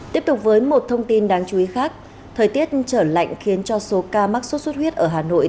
tiếp tục với một thông tin đáng chú ý khác thời tiết trở lạnh khiến cho số ca mắc sốt xuất huyết ở hà nội